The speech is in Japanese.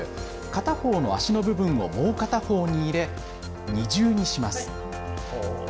片方の足の部分をもう片方に入れ二重にします。